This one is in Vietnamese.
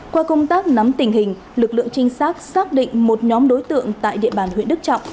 qua công tác nắm tình hình lực lượng trinh sát xác định một nhóm đối tượng tại địa bàn huyện đức trọng